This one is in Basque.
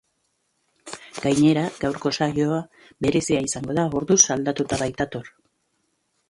Gainera gaurko saioa berezia ziango da, orduz aldatuta baitator.